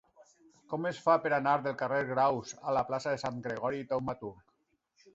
Com es fa per anar del carrer de Graus a la plaça de Sant Gregori Taumaturg?